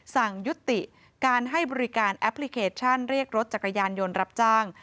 สั่งยุติการให้บริการแอปพลิเคชันเรียกรถจักรยานยนต์รับจ้าง